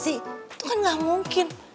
itu kan gak mungkin